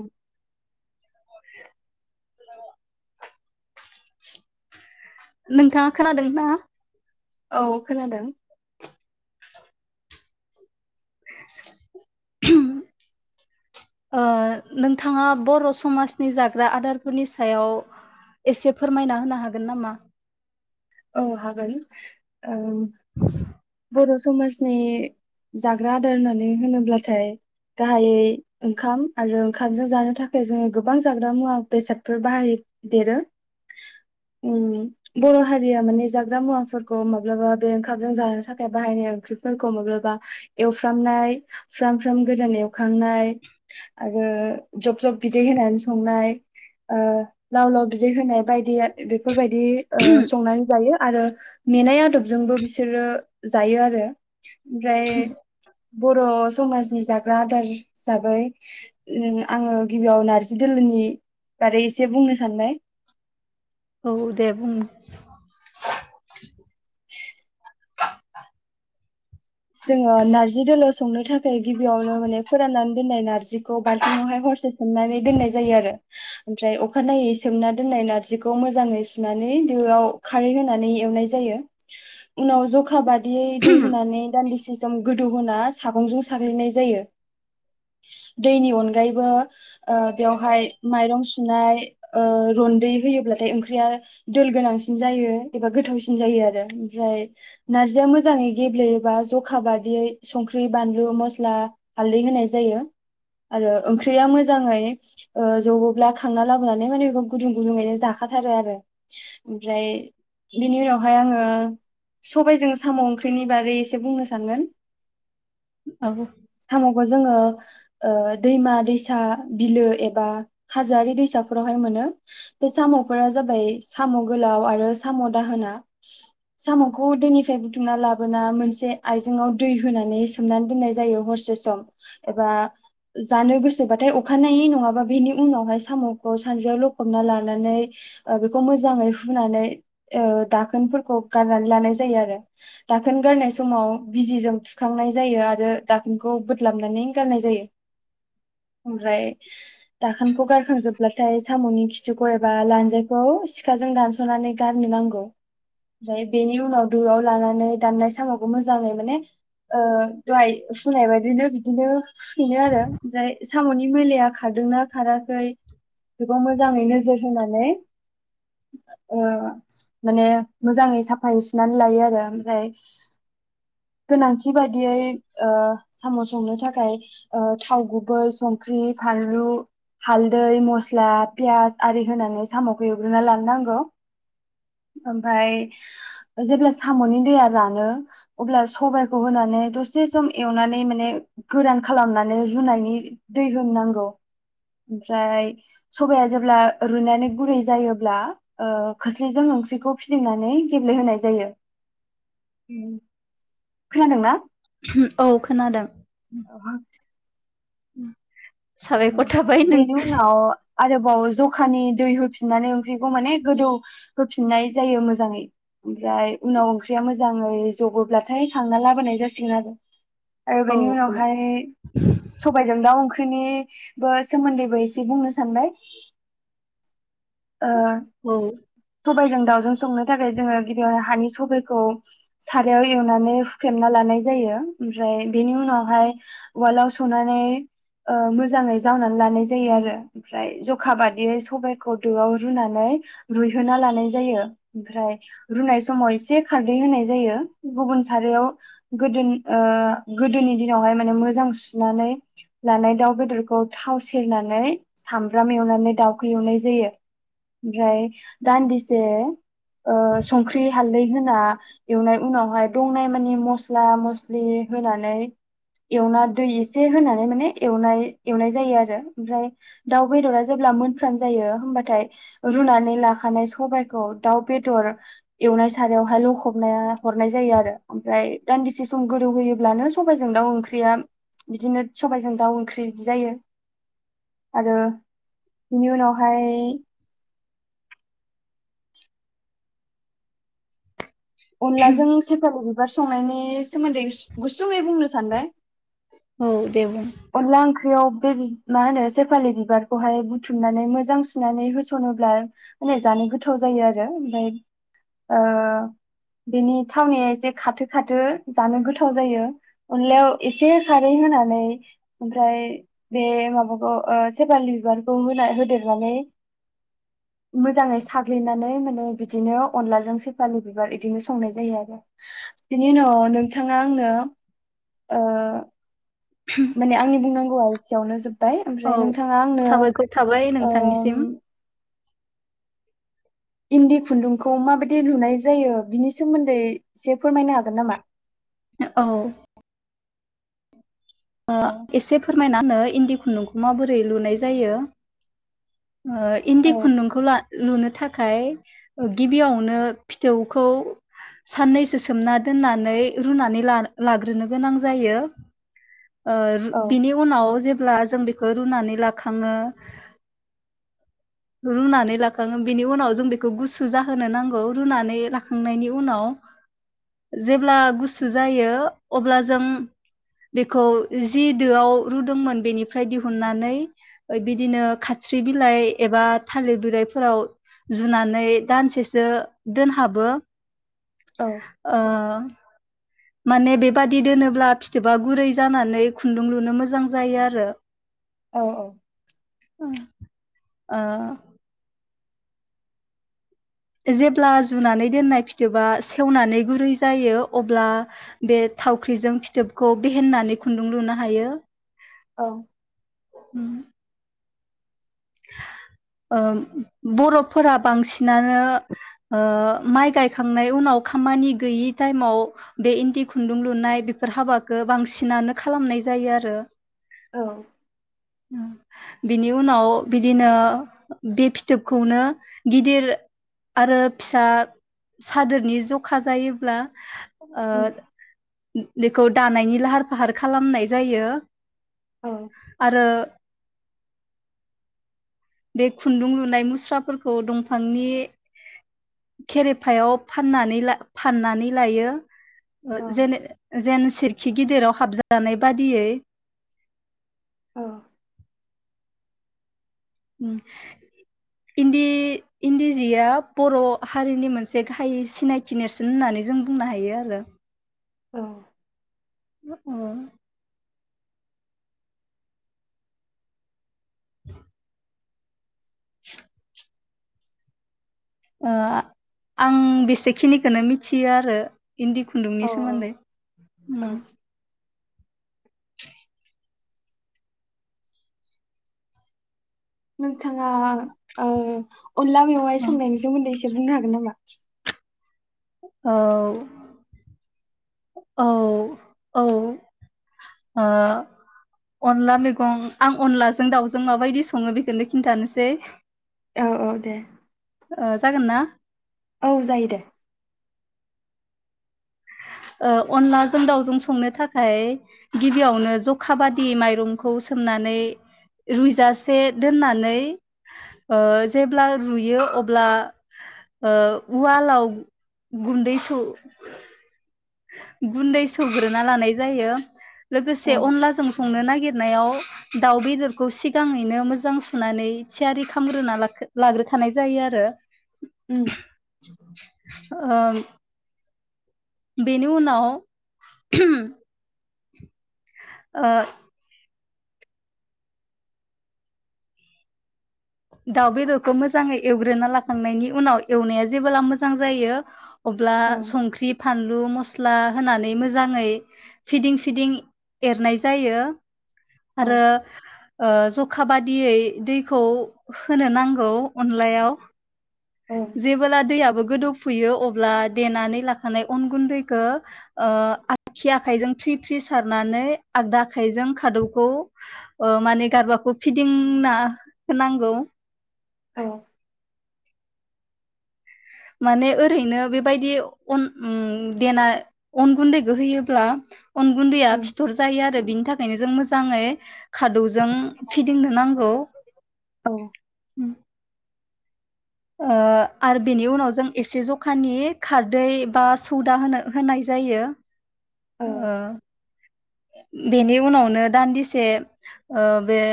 उ [inaudible] नोंथाङा खोनादों ना? औ खोनादों। [unintelligible] ओ नोंथाङा बर' समाजनि जाग्रा आदारफोरनि सायाव एसे फोरमायना होनो हागोन नामा? औ हागोन। औ बर' समाजनि जाग्रा आदार होननानै होनोब्लाथाय गाहायै ओंखाम आरो ओंखामजों जानो थाखाय जोङो गोबां जाग्रा मुवा बेसादफोर बाहाय देरो उम बर' हारिया माने जाग्रा मुवाफोरखौ माब्लाबा बे ओंखामजों जानो थाख बाहायनाय ओंख्रिफोरखौ माब्लाबा एवफ्रामनाय फ्राम फ्राम गोरान एवखांनाय आरो जब जब बिदै होनानै संनाय ओ लाव लाव बिदै होनाय बायदि ओ बे बेफोरबायदि ओ संनानै जायो। आरो मेनाय आदबजोंबो बिसोरो जायो आरो ओमफ्राय बर' समाजनि जाग्रा आदार हिसाबै उम आङो गिबियाव नारजि दोलोनि बारै एसे बुंनो सानबाय। औ दे बुं जोङो नारजि दोलो संनो था थाय गिबियावनो माने फोरानना दोननाय नारजिखौ बालथिं आवहाय हरसे सोमनानै दोननाय जायो आरो आमफ्राय अखानायै सोमना दोनाय नारजिखौ मोजाङै सुनानै दोआव खारै होनानै एवनाय जायो उनाव जखा इयै दै होनानै टदसे सम गोदौ होना सागंजों साग्लिनाय जायो दैनि अनगायैबो ओ बेयाव हाय माइरं सुनाय ओ रनदै होयोब्ला थाय ओंख्रिआ दोल गोनांसिन जायो एबा गोथावसिन जायो आरो ओमफ्राय नारजिया मोजाङै गेब्लेयो बा जखा बादियै संख्रि बानलु मस्ला हालदै होनाय जायो आरो ओंख्रिया मोजाङै ओ जबोब्ला खांना लाबोनानै माने बे गुदुं गुदुङैनो जाखाथारो आरो ओमफ्राय बेनि उनावहाय आङो सबायजों साम' ओंख्रिनि बागै बुंनो सानगोन औ। बोजोंओ ओ दैमा दैसा बिलो एबा हाजोआरि दैसाफोरावहाय मोननो बे साम'फोरा जाबाय साम गोलाव आरो साम दाहोना साम'खौ दैनिफ्राय बुथुमना लाबोना मोनसे बे आइजेंआव दै होनानै सोमना दोननाय जायो हरसे सम एबा जानो गोसोबाथाय अखानायै नङाबा बेनि उनावहाय सामखौ सानज्रियाव लखबना लानानै ओ बेखौ मोजाङै हुनानै दाखोनफोरखौ गारनानै लानाय जायो आरो दाखोन गारनाय सम समाव बिजिजों थुखावनाय जायो आरो दाखोनखौ बोदलाबनानै गारनाय जायो ओमफ्राय दाखोनखौ गारखांजोबब्लाथाय साम'नि खिथिुखौ एबा लानजायखौ सिखाजों दानस'नानै गारनो नांगौ ओमफ्राय बेनि उनाव दोआव लानानै दाननाय सामखौ मोजाङै माने ओ दहाय फुनाय बायदिनो बिदिनो फुफिनो आरो ओमफ्राय साम'नि मैलाया खारदोंना खाराखै बेखौ मोजाङै नोजोर होनानै ओ माने मोजाङै साफायै सुनानै लायो आरो ओमफ्राय गोनां बिबायदियै ओ सामस संनो थाखाय ओ थाव गुबै संख्रि फानलु हालदै मस्ला पियास आरि होनानै सामखौ एवग्रोना लानो नांगौ ओमफफ्राय जेब्ला सामनि दैया रानो अब्ला सबाइखौ होनानै दसे सम एवनानै माने गोरान खालामनानै रुनायनि दै होनांगौ ओमफ्राय सबाया जेब्ला रुनानै गुरै जायोब्ला ओ खोस्लिजों ओंख्रिखौ फिदिंनानै गेब्लेहोनाय जायो। उम खोनादोंना? [unintelligible] औ खोनादों साबायखर थाबाय नों बेनि उनाव आरोबाव जखानि दै होफिननानै ओंख्रिखौ माने गोदौ होफिननाय जायो मोजाङै ओमफ्राय उनाव ओंख्रिया मोजाङै जबोब्लाथाय खांना लाबोनाय जासिगोन आरो। आरो औ बेनि औ उनावहाय सबायजों दाउ ओंख्रि [unintelligible] बो सोमोन्दैबो एसे बुंनो सानबाय ओ औ सबायजों दाउजों संनो थाखाय जोङो गिबियाव हानि सबाइखौ सारायाव एवनानै हुख्रेमना लानाय जायो ओमफ्राय बेनि उनावहाय उवालाव सौनानै मोजाङै जावनानै लानाय जायो आरो ओमफ्राय जखा बादियै सबाइखौ दोआव रुनानै रुइहोना लानाय जायो ओमफ्राय रुनाय समाव एसे खारदै होनाय जायो गुबुन सारायाव गोदो ओ गोदोनि दिनावहाय माने मोजां सुनानै लानाय दाउ बेदरखौ थाव सेरनानै सामब्राम एवनानै दाउखौ एवनाय जायो ओमफ्राय दान्दिसे ओ संख्रि हालदै होना एवनाय उनावहाय दंनाय माने मस्ला मस्लि होनानै एवना दै एसे होनानै माने एनाय एवनाय जायो आरो ओमफ्राय दाउ बेदरा जेब्ला मोनफ्राम जायो हबाथाय रुनानै लाखानाय सबबायखौ दाउ बेदर एवनाय सारावहाय लखबनाय हरनाय जायो आरो ओमफ्राय दान्दिसे सम गोदौ होयोब्लानो सबबायजों दाउ ओंख्रिया बिदिनो सबबायजों दाउ ओंख्रि बिदि जायो आरो बिनि उनावहाय अनलाजों सेपालि बिब बिबार संनायनि सोमोन्दै गुस-गुसुङै बुंनो सानबाय। औ दे बुं। अनला ओंख्रियाव बे मा होनो सेफालि बिबारखौहाय बुथुमनानै मोजां सुनानै होसनोब्ला जानो गोथाव जायो आरो ओमफ्राय ओ बेनि थावनिया एसे खाथो खाथो जानो गोथाव जायो। अनलायाव एसे खारै होनानै ओमफ्राय बे माबाखौ ओ सेपालि बिबारखौ होना होदेरनानै मोजाङै साग्लिनानै माने बिदिनो अनलाजों सेफालि बिबार बिदिनो संनाय जायो आरो बेनि उनाव नोंथाङा आंनो ओ। माने आंनि बुंनांगौआ एसेयावनो जोब बाय औ ओमफ्राय नोंथाङा आंनो साबायखर थाबाय ओ। नोंथांनिसिम इन्दि खुन्दुंखौ माबायदि लुनाय जायो बिनि सोमोन्दै एसे फोरमायनो हागोन नामा? औ। ओ औ एसे फोरमायना होनो इन्दि खुन्दुंखौ माबोरै लुनाय जायो? ओ औ इन्दि खुन्दुंखौ ला लुनो थाखाय गिबियावनो फिथौखौ साननैसो सोमना दोननानै रुनानै लानो लाग्रोनो गोनां जायो ओ औ बिनि उनाव जे अब्ला जों बेखौ रुनानै लाखाङो रुनानै लाखाङो बेनि उनाव जों बेखौ गुसु जाहोनो नांगौ रुनानै लाखांनायनि उनाव जेब्ला गुसु जायो अब्ला जों बेखौ जि दोआव रुदोंमोन बेनिफ्राय दिहुननानै बिदिनो खाथ्रि बिलाइ एबा थालिर बिलाइफोराव जुनानै दानसेसो दोनहाबो। औ ओ माने बेबादि दोनोब्ला फिथोबा गुरै जानानै खुन्दुं लुनो मोजां जायो आरो। औ औ ओ ओ जेब्ला जुनानै दोननाय फिथोबा सेवनानै गुरै जायो अब्ला बे थावख्रिजों फिथोबखौ बेहेननानै खुन्दुं लुनो हायो औ। उम ओ बर'फोरा बांसिनानो ओ माइ गायखांनाय उनाव खामानि गैयि टाइमाव बे इन्दि खुन्दुं लुनाय बेफोर हाबाखौ बांसिनानो खालामनाय जायो आरो औ उम बिनि उनाव बिदिनो बे फिथोबखौनो गिदिर आरो फिसा सादोरनि ज'खा जायोब्ला ओ उम बेखौ दानायनि लाहार फाहार खालामनाय जायो। औ। आरो बे खुन्दुं लुनाय मुस्राफोरखौ दंफांनि खेरेफायाव फाननानै फाननानै लायो। औ जेने जेन सि खि गिदिराव हाबजानाय बादियै। औ इन्दि इन्दि जिया बर' हारिनि मोनसे गाहाय सिनायथि नेरसोन होननानै जों बुंनो हायो आरो औ ओ। [inaudible] ओ आं बेसेखिनिखौनो मिथियो आरो इन्दि औ खुन्दुंनि सोमोन्दै। औ [inaudible] नोंथाङा ओ अनला मेवङाइ उम, संनायनायनि सोमानदैसै। बुंनो हागोन नामा? औ औ औ ओ अनला मैगं आं अनलाजों दाउजों माबायदि सङो बेखोनो खिन्थानोसै औ औ दे ओ जागोन ना? औ जायो दे। ओ अनलाजों दाउजों संनो थाखाय गिबियावनो जखा बादि माइरंखौ सोमनानै रुइजासे दोननानै ओ जेब्ला रुयो अब्ला उवालाव गुन्दै सौ गुन्दै सौग्रोना लानाय जायो औ लोगोसे अनलाजों संनो नागिरनायाव दाउ बेदरखौ सिगाङैनो मोजां सुनानै थियारि खालामामग्रोना लाखो लाग्रोखानाय जायो आरो। उम ओ बेनि उनाव ओ दाउ बेदरखौ मोजाङै एवग्रोना लाखांनायनि उनाव एवनाया जेबोला मोजां जायो अब्ला औ संख्रि फानलु म मस्ला होनानै मोजाङै फिदिं फिदिं एरनाय जायो। औ आरो ओ जखा बादियै दैखौ होनो नांगौ अनलायाव औ जेबोला दैयाबो गोदौफुयो अब्ला देनानै लाखानाय अन गुन्दैखो ओ आगखि आखाइजों फ्रि फ्रि सारनानै आगदा आखाइजों खादौखौ ओ माने गारबाखौ फिदिंना होनांगौ। औ माने ओरैनो बेबायदि अन उम देना अन गुन्दैखौ होयोब्ला अन गुन्दैया ओं फिथर जायो आरो बिनि थाखायनो जों मोजां जाङै खादौजों फिदिंनो नांगौ औ ओ उम ओ आरो बेनि उनाव जों एसे जखानि खारदै बा सौदा होनो होनाय जायो औ ओ बेनि उनावनो दान्दिसे ओ बे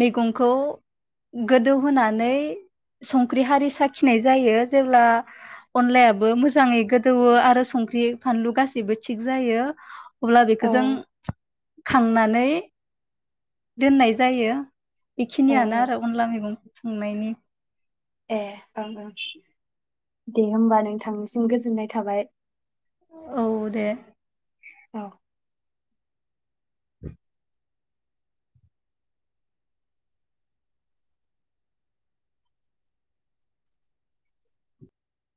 मैगंखौ गोदौहोनानै संख्रि हारि साखिनाय जायो जेब्ला अनलायाबो मोजाङै गोदौवो आरो संख्रि फानलु गासैबो थिग जायो। अब्ला बेखौ जों खांनानै इ दोननाय जायो बेखिनियानो औ आरो अनला मैगंखौ संनायनि ए ओं ओं दे होमबा नों थांनिसिम गोजोननाय थाबाय औ दे‌ अ [inaudible]